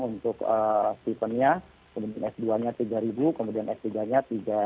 untuk stipennya kemudian s dua nya tiga kemudian s tiga nya tiga lima ratus